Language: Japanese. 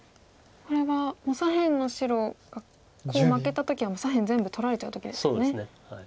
これはもう左辺の白がコウ負けた時は左辺全部取られちゃう時ですね。